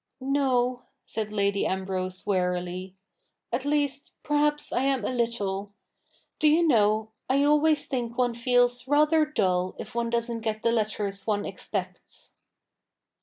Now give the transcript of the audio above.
' No,' said Lady Ambrose wearily :' at least, perhaps I am a little. Do you know, I always think one feels rather dull if one doesn't get the letters one expects.'